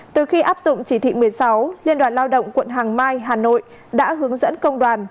từ khi áp dụng chỉ thị một mươi sáu liên đoàn lao động quận hoàng mai hà nội đã hướng dẫn công đoàn